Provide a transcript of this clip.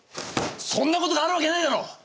そんなことがあるわけないだろ！